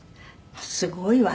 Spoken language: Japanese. すごいわね。